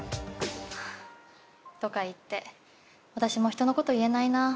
はぁとか言って私も人のこと言えないな。